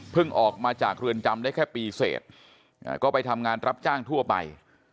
ออกมาจากเรือนจำได้แค่ปีเสร็จก็ไปทำงานรับจ้างทั่วไป